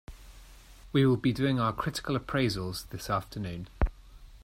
We will be doing our critical appraisals this afternoon.